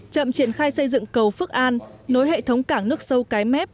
chậm triển khai xây dựng cầu phước an nối hệ thống cảng nước sâu cái mép